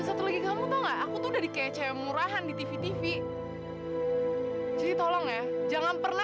sampai jumpa di video selanjutnya